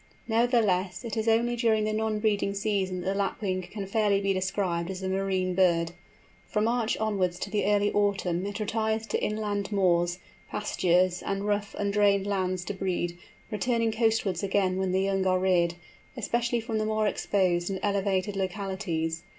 Nevertheless, it is only during the non breeding season that the Lapwing can fairly be described as a marine bird. From March onwards to the early autumn it retires to inland moors, pastures, and rough undrained lands to breed, returning coastwards again when the young are reared, especially from the more exposed and elevated localities.